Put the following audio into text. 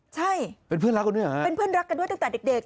ใช่เป็นเพื่อนรักกันด้วยเหรอฮะเป็นเพื่อนรักกันด้วยตั้งแต่เด็ก